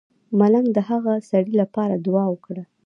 ملنګ د هغه سړی لپاره دعا وکړه.